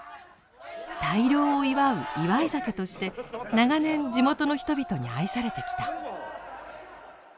大漁を祝う祝い酒として長年地元の人々に愛されてきた。